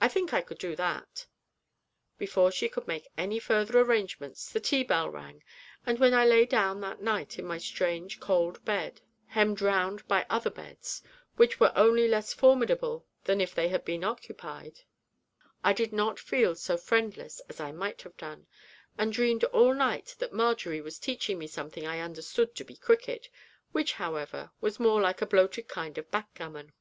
I think I could do that.' Before she could make any further arrangements the tea bell rang, but when I lay down that night in my strange cold bed, hemmed round by other beds, which were only less formidable than if they had been occupied, I did not feel so friendless as I might have done, and dreamed all night that Marjory was teaching me something I understood to be cricket, which, however, was more like a bloated kind of backgammon.